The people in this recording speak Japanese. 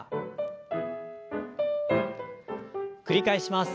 繰り返します。